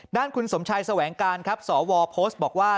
คุณสมชัยแสวงการครับสวโพสต์บอกว่า